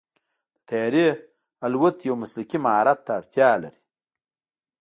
د طیارې الوت یو مسلکي مهارت ته اړتیا لري.